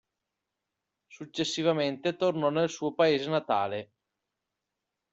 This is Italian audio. Successivamente tornò nel suo paese natale.